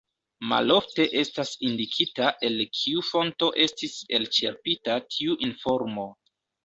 Malofte estas indikita el kiu fonto estis elĉerpita tiu informo.